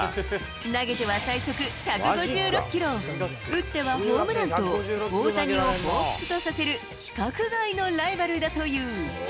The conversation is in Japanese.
投げては最速１５６キロ、打ってはホームランと、大谷をほうふつとさせる規格外のライバルだという。